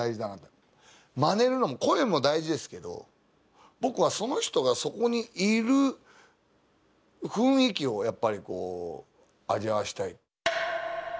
まねるのも声も大事ですけど僕はその人がそこにいる雰囲気をやっぱり味わわしたい。